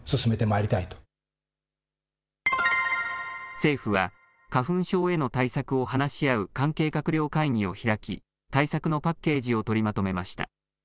政府は花粉症への対策を話し合う関係閣僚会議を開き対策のパッケージを取りまとめました。